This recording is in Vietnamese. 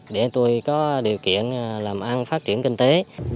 để tôi có điều kiện làm ăn phát triển kinh tế